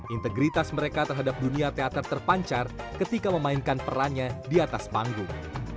integritas mereka terhadap dunia teater terpancar ketika memainkan perannya di atas panggung